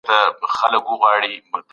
تل د حق ملاتړ وکړئ.